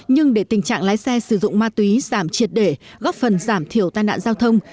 nhưng để tình trạng lái xe sử dụng ma túy giảm triệt để góp phần giảm thiểu tai nạn giao thông